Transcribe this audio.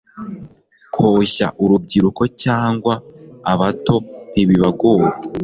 koshya urubyiruko cg abato ntibibagora